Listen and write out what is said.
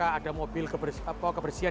ada mobil kebersihan